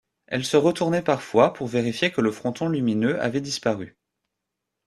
Elle se retournait parfois, pour vérifier que le fronton lumineux avait disparu.